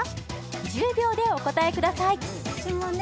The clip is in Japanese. １０秒でお答えくださいうちもね